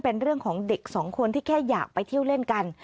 เป็นเรื่องของเด็กสองคนที่แค่อยากไปเที่ยวเล่นกัน